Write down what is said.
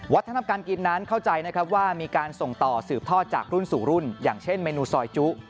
ทำการกินนั้นเข้าใจนะครับว่ามีการส่งต่อสืบทอดจากรุ่นสู่รุ่นอย่างเช่นเมนูซอยจุ